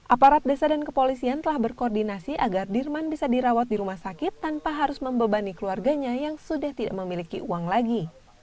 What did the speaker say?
aparat desa dan kepolisian telah berkoordinasi agar dirman bisa dirawat di rumah sakit tanpa harus membebani keluarganya yang sudah tidak memiliki uang lagi